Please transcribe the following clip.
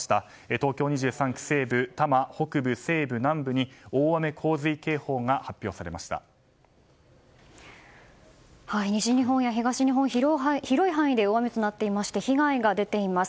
東京２３区、西部多摩北部、西部、南部に西日本や東日本広い範囲で大雨となっていまして被害が出ています。